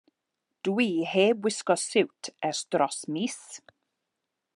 Dw i heb wisgo siwt ers dros mis.